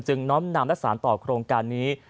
จึงน้อมนำลักษณ์ต่อโครงการนี้